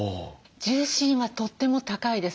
重心はとっても高いです。